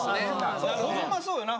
ホンマそうよな。